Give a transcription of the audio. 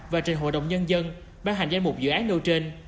và trên hội đồng nhân dân bán hành danh mục dự án nâu trên